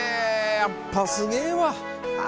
やっぱすげぇわ！